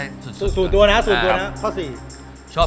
กิเลนพยองครับ